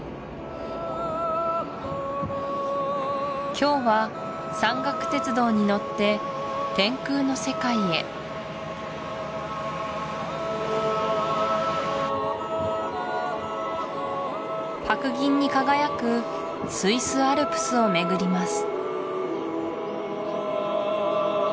今日は山岳鉄道に乗って天空の世界へ白銀に輝くスイス・アルプスを巡ります